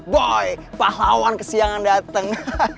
boy pahlawan kesiangan dateng